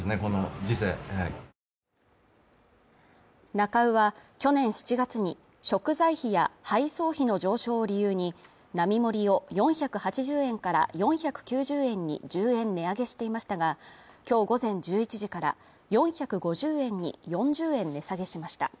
なか卯は、去年７月に食材費や配送費の上昇を理由に並盛を４８０円から４９０円に１０円値上げしていましたが、今日午前１１時から４５０円に４０円値下げしました。